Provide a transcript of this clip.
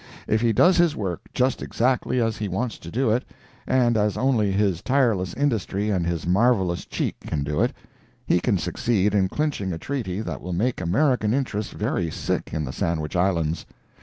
If he does his work just exactly as he wants to do it, and as only his tireless industry and his marvellous cheek can do it, he can succeed in clinching a treaty that will make American interests very sick in the Sandwich Islands.